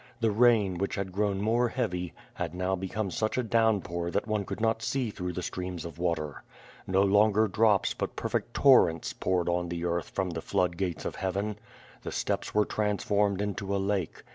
The rain, which had grown more heavy, had now become such a downpour that one could not see through the streams of water. No lon ger drops but perfect torrents poured on the earth from the Hood gates of Heaven. The steppes were transformed into a lake.